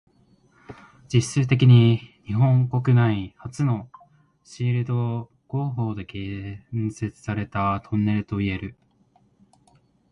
実質的に日本国内初のシールド工法で建設されたトンネルといえる。